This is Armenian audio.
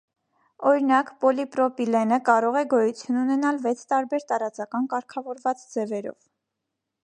Օրինակ, պոլիպրոպիլենը կարող է գոյություն ունենալ վեց տարբեր տարածական կարգավորված ձևերով։